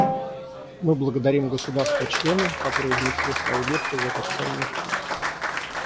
Мы благодарим государства-члены, которые внесли свою лепту в этот ценный вклад.